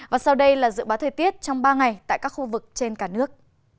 và sau đây là dự báo thời tiết trong ba ngày tại các khu vực trên cả nước